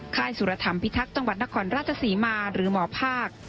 ค่ายสุรธรรมพิทักษ์จังหวัดนครราชศรีมาหรือหมอภาค